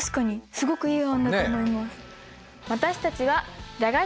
すごくいい案だと思います。